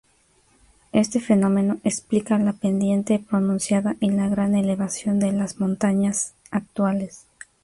Este fenómeno explica la pendiente pronunciada y la gran elevación de las montañas actuales.